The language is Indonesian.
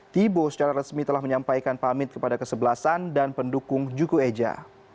thibo secara resmi telah menyampaikan pamit kepada kesebelasan dan pendukung juku eja